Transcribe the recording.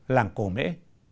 làng cổ mễ